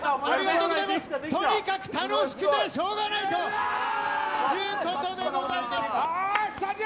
とにかく楽しくてしょうがいないということでございます。